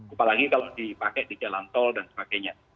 apalagi kalau dipakai di jalan tol dan sebagainya